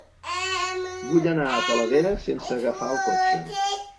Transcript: Vull anar a Talavera sense agafar el cotxe.